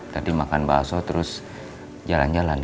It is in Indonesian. tadi makan bakso terus jalan jalan